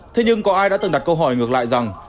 thế nhưng có ai đã từng đặt câu hỏi ngược lại rằng